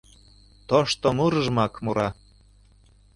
Тошто мурыжымак мура.